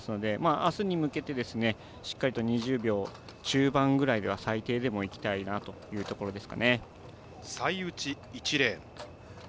あすに向けて、しっかりと２０番中盤ぐらいでは最低でもいきたいと思います。